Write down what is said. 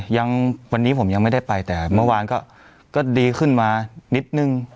ยังวันนี้ผมยังไม่ได้ไปแต่เมื่อวานก็ดีขึ้นมานิดนึง